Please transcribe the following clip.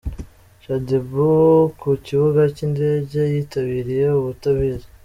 Shaddy Boo ku kibuga cy’indege yitabiriye ubutumire